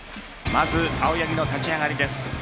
まず青柳の立ち上がりです。